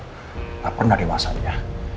gak pernah dewasa dia